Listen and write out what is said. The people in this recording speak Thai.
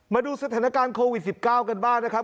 มาดูสถานการณ์โควิด๑๙กันบ้างนะครับ